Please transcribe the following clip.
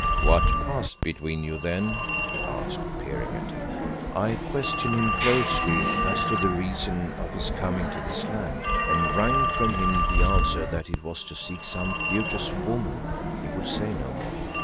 "What passed between you, then?" he asked, peering at her. "I questioned him closely as to the reason of his coming to this land, and wrung from him the answer that it was to seek some beauteous woman he would say no more.